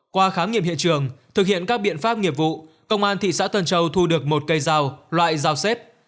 qua khám nghiệm hiện trường thực hiện các biện pháp nghiệp vụ công an thị xã tân châu thu được một cây dao loại dao xếp